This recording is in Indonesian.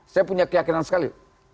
saya punya keyakinan sekali